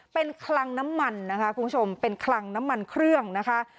เป็นคลังน้ำมันนะคะคุณผู้ชมเป็นคลังน้ำมันเครื่องนะคะ